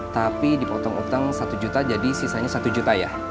tapi dipotong utang satu juta jadi sisanya satu juta ya